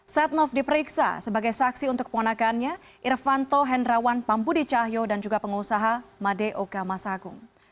setnov diperiksa sebagai saksi untuk keponakannya irvanto hendrawan pambudicahyo dan juga pengusaha made oka masagung